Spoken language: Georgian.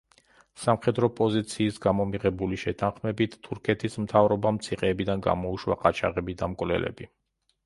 სამხედრო პოზიციის გამო მიღებული შეთანხმებით თურქეთის მთავრობამ ციხეებიდან გამოუშვა ყაჩაღები და მკვლელები.